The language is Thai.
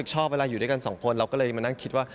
ชอบเวลาอยู่ด้วยกันสองคนเราก็เลยมานั่งคิดว่า